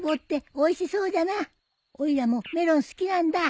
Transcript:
おいらもメロン好きなんだ。